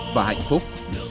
và hạnh phúc